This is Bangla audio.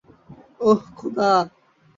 অহ, খোদা!